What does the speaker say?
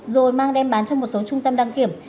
rồi mang đem bán cho một số trung tâm đăng kiểm